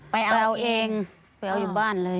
ไปเอาเองไปเอาอยู่บ้านเลย